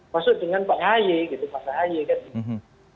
maksud dengan pak haye gitu masa haye kan